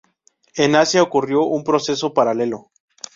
En Asia ocurrió un proceso paralelo.